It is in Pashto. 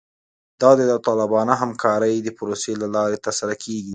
دا د داوطلبانه همکارۍ د پروسې له لارې ترسره کیږي